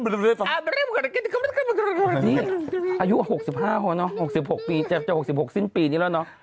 นี่อายุก็๖๕ปีเลยนะ๖๖ปีจะ๖๖ปีนี้แล้วน่ะ